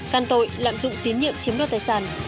can tội lạm dụng tín nhiệm chiếm đoạt tài sản